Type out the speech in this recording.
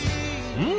うん！